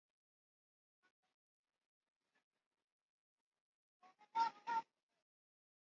ambayo chini ya mikataba ya Geneva yangekuwa uhalifu wa kivita